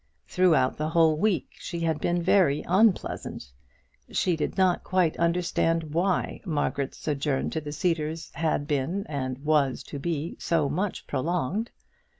Throughout the whole week she had been very unpleasant. She did not quite understand why Margaret's sojourn at the Cedars had been and was to be so much prolonged.